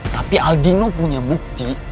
tapi aldino punya bukti